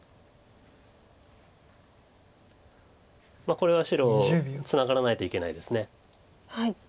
これは白ツナがらないといけないです。